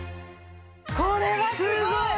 これはすごい！